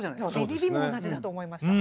ビビビンも同じだと思いました。